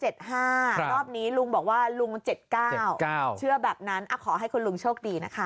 รอบนี้ลุงบอกว่าลุง๗๙เชื่อแบบนั้นขอให้คุณลุงโชคดีนะคะ